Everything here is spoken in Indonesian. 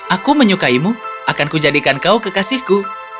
aku menyukaimu akanku jadikan kau kekasihku